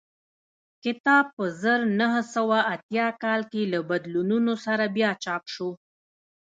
کتاب په زر نه سوه اتیا کال کې له بدلونونو سره بیا چاپ شو